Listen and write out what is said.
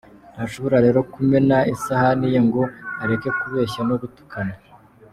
Ntashobora rero kumena isahani ye ngo areke kubeshya no gutukana.